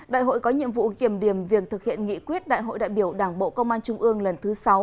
đại hội có nhiệm vụ kiểm điểm việc thực hiện nghị quyết đại hội đại biểu đảng bộ công an trung ương lần thứ sáu